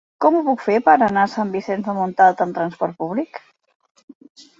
Com ho puc fer per anar a Sant Vicenç de Montalt amb trasport públic?